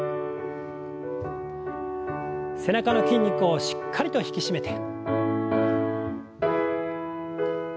背中の筋肉をしっかりと引き締めて。